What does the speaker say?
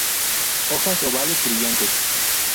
Hojas ovales brillantes.